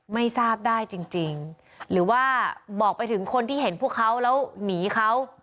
ไม่ทราบได้จริงหรือว่าบอกไปถึงคนที่เห็นพวกเขาแล้วหนีเขา